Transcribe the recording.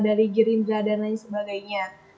dari gerindra dan lain sebagainya